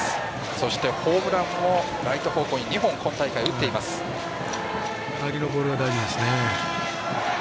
そして、ホームランもライト方向に今大会入りのボールが大事ですね。